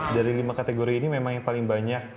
dari lima kategori ini memang yang paling banyak